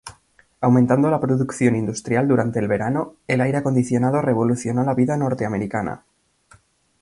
Aumentando la producción industrial durante el verano, el aire acondicionado revolucionó la vida norteamericana.